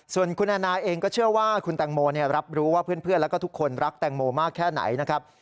ส่วนคุณแอนนาเองก็เชื่อว่าคุณแตงโมรับรู้ว่าเพื่อนแล้วก็ทุกคนรักแตงโมมากแค่ไหนนะครับ